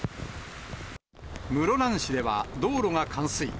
室蘭市では道路が冠水。